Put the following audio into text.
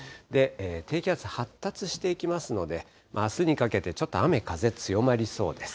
低気圧、発達してきますので、あすにかけてちょっと雨、風強まりそうです。